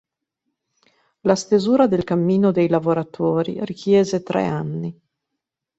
La stesura del "Cammino dei lavoratori" richiese tre anni.